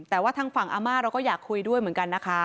แต่ว่าทางฝั่งอาม่าเราก็อยากคุยด้วยเหมือนกันนะคะ